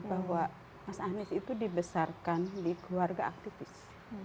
bahwa mas anies itu dibesarkan di keluarga aktivis